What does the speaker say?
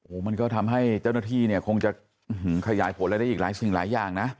มันก็ทำให้เจ้าหน้าที่เนี่ยคงจะขยายผลอะไรได้อีกหลายสิ่งหลายอย่างนะ